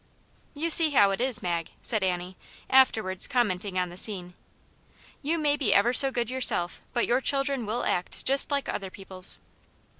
" You see how it is, Mag," said Annie, afterwards commenting on the scene; "you may be ever so good yourself, but your children will act just like other people's."